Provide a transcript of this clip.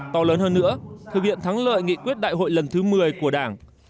to lớn hơn nữa thư viện thắng lợi nghị quyết đại hội lần thứ một mươi của đảng